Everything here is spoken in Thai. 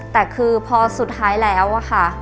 แต่คือพอสุดท้ายแล้วอะค่ะ